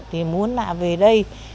thì muốn là về đây